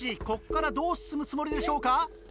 ここからどう進むつもりでしょうか？